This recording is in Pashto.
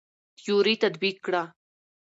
تيوري تطبيق کړه.